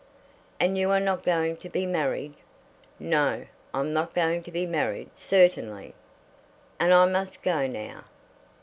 "And you are not going to be married?" "No; I'm not going to be married, certainly." "And I must go now?"